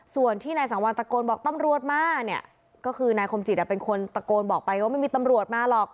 ส่วนที่นายสังวัลตะโกนบอกตำรวจมาเนี่ยก็คือนายคมจิตเป็นคนตะโกนบอกไปว่าไม่มีตำรวจมาหรอก